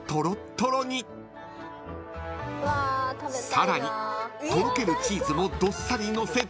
［さらにとろけるチーズをどっさりのせて］